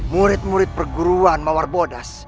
murid murid perguruan mawar bodas